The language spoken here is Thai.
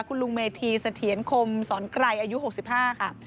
คุณลุงเมธีเสถียรคมสอนไกรอายุ๖๕ค่ะ